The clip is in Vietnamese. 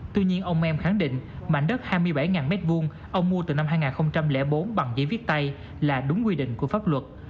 tuy nhiên ông mai em khẳng định mảnh đất hai mươi bảy m hai ông mua từ năm hai nghìn bốn bằng giấy viết tay là đúng quy định của pháp luật